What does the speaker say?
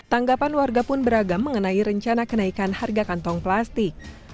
tanggapan warga pun beragam mengenai rencana kenaikan harga kantong plastik